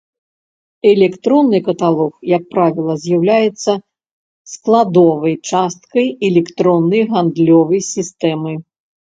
Электронны каталог, як правіла, з'яўляецца складовай часткай электроннай гандлёвай сістэмы.